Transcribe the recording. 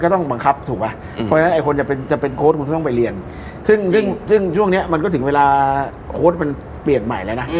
ต้องไปเรียนซึ่งช่วงเนี้ยมันก็ถึงเวลาโค้ดมันเปลี่ยนใหม่แล้วนะ